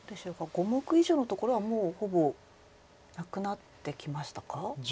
５目以上のところはもうほぼなくなってきましたか？